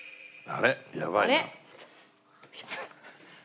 あれ？